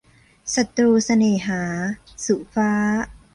ศัตรูเสน่หา - สุฟ้า